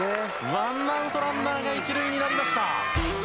１アウトランナーが１塁になりました。